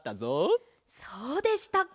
そうでしたか。